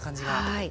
はい。